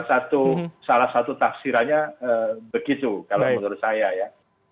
salah satu tafsirannya begitu kalau menurut saya ya